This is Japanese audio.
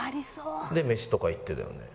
でメシとか行ってたよね。